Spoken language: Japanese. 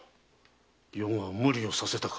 余が無理をさせたか。